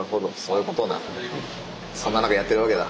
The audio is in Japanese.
そんな中やってるわけだ。